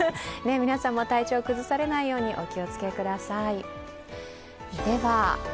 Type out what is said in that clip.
皆さんも体調崩されないようにお気をつけください。